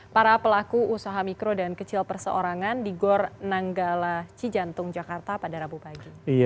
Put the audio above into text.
para pelaku usaha mikro dan kecil perseorangan di gor nanggala cijantung jakarta pada rabu pagi